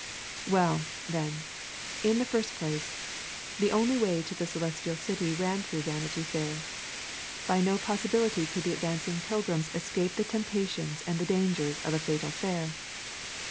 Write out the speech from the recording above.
Well, then, in the first place, the only way to the Celestial City ran through Vanity Fair; by no possibility could the advancing pilgrims escape the temptations and the dangers of the fatal fair.